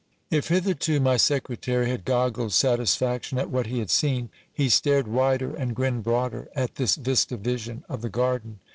\/ If hitherto my secretary had goggled satisfaction at what he had seen, he stared wider and grinned broader at this vista vision of the garden.